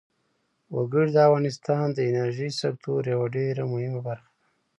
وګړي د افغانستان د انرژۍ سکتور یوه ډېره مهمه برخه ده.